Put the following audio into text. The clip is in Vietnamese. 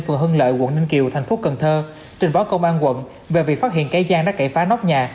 phường hưng lợi quận ninh kiều thành phố cần thơ trình báo công an quận về việc phát hiện cây giang đã cậy phá nóc nhà